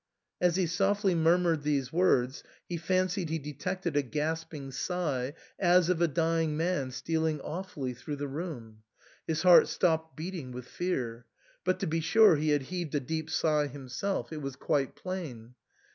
As he softly murmured these words he fancied he detected a gasping sigh as of a dying man stealing awfully through the room ; his heart stopped beating with fear. But to be sure he had heaved a deep sigh himself ; it was quite plain.